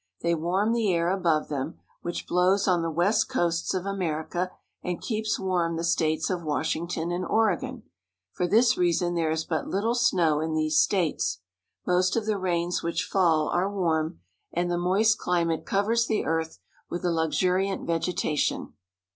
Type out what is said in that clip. They warm the air above them, which blows on the west coasts of America and keeps warm the states of Washington and Oregon. For this reason there is but little snow in these states. Most of the rains which fall are warm, and the moist climate covers the earth with a luxuriant vegetation.